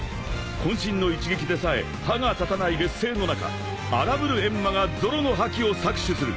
［渾身の一撃でさえ歯が立たない劣勢の中荒ぶる閻魔がゾロの覇気を搾取する］